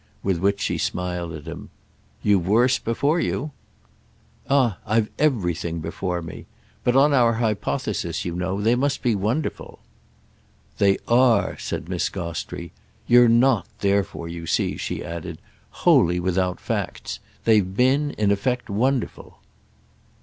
With which she smiled at him. "You've worse before you." "Ah I've everything before me. But on our hypothesis, you know, they must be wonderful." "They are!" said Miss Gostrey. "You're not therefore, you see," she added, "wholly without facts. They've been, in effect, wonderful."